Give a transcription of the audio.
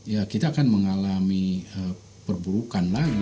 ya kita akan mengalami perburukan lagi